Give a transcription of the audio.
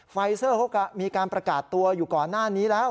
ไฟเซอร์เขาก็มีการประกาศตัวอยู่ก่อนหน้านี้แล้ว